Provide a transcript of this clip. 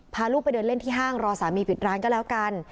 พาลูกไปเดินเล่นที่ห้างรอสามีปิดร้านก็แล้วกัน